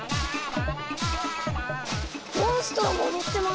モンストロも踊ってます！